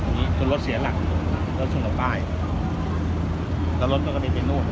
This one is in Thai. นี่คือรถเสียหลักรถส่วนต่อใต้แล้วรถก็กำลังจะไปนู่น